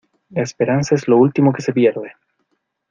La esperanza es lo último que se pierde.